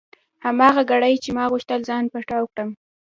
هماغه ګړۍ چې ما غوښتل ځان پټاو کړم.